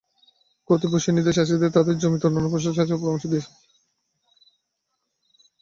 ক্ষতি পুষিয়ে নিতে চাষিদের তাঁদের জমিতে অন্যান্য ফসল চাষের পরামর্শ দেওয়া হয়েছে।